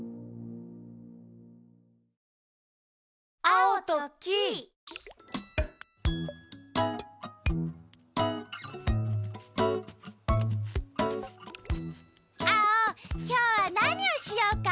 アオきょうはなにをしようか？